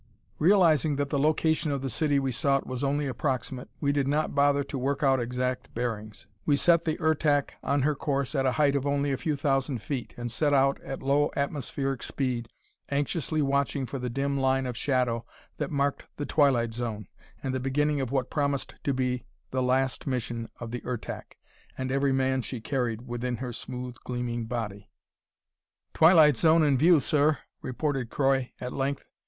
Realising that the location of the city we sought was only approximate, we did not bother to work out exact bearings. We set the Ertak on her course at a height of only a few thousand feet, and set out at low atmospheric speed, anxiously watching for the dim line of shadow that marked the twilight zone, and the beginning of what promised to be the last mission of the Ertak and every man she carried within her smooth, gleaming body. "Twilight zone in view, sir," reported Croy at length.